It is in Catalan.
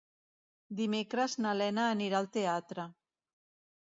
Dimecres na Lena anirà al teatre.